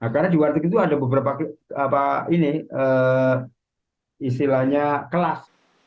karena di warteg itu ada beberapa istilahnya kelas